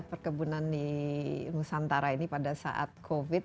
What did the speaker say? perkebunan di nusantara ini pada saat covid sembilan belas